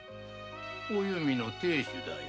お弓の亭主だよ。